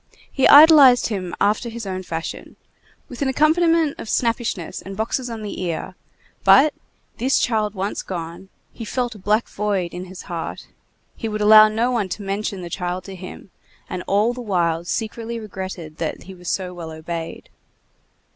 He idolized him after his own fashion, with an accompaniment of snappishness and boxes on the ear; but, this child once gone, he felt a black void in his heart; he would allow no one to mention the child to him, and all the while secretly regretted that he was so well obeyed.